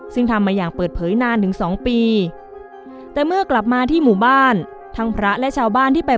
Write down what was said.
ซึ่งทำมาอย่างเปิดเผยนานถึงสองปี